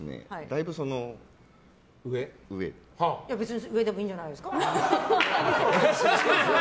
いや、別に上でもいいんじゃないですか？